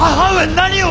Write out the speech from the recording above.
何を！